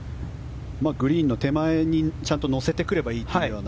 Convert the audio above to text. グリーンの手前にちゃんと乗せてくればいいというような。